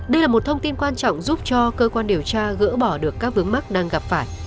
đây là một thông tin quan trọng giúp cho cơ quan điều tra gỡ bỏ được các vướng mắt đang gặp phải